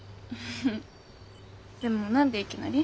でも何でいきなり？